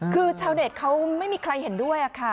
คือชาวเน็ตเขาไม่มีใครเห็นด้วยค่ะ